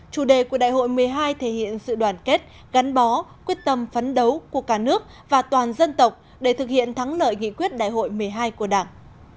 chủ đề của đại hội một mươi hai thể hiện sự đoàn kết gắn bó quyết tâm phấn đấu của cả nước và toàn dân tộc để thực hiện thắng lợi nghị quyết đại hội một mươi hai của đảng